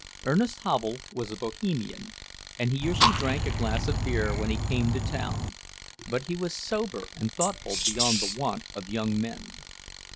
Ernest Havel was a Bohemian, and he usually drank a glass of beer when he came to town; but he was sober and thoughtful beyond the wont of young men.